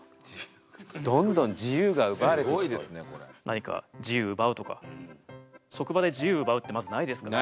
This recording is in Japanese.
何か自由を奪うとか職場で自由を奪うってまずないですからね。